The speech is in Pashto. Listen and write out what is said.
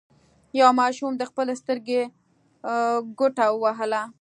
یوه ماشوم د خپلې سترګې ګوته ووهله.